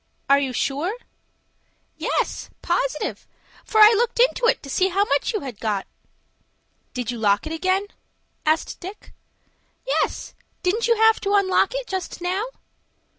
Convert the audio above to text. "Are you sure?" "Yes, positive, for I looked into it to see how much you had got." "Did you lock it again?" asked Dick. "Yes; didn't you have to unlock it just now?"